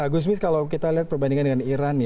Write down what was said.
gusmis kalau kita lihat perbandingan dengan iran